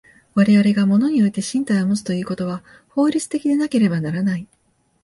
我々が物において身体をもつということは法律的でなければならない。